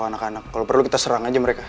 anak anak kalau perlu kita serang aja mereka